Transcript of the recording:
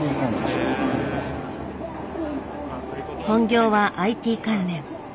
本業はＩＴ関連。